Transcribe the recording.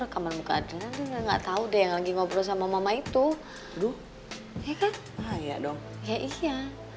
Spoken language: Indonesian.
rekaman muka adrena nggak tahu deh yang lagi ngobrol sama mama itu ya kan iya